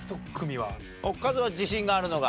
カズは自信があるのが。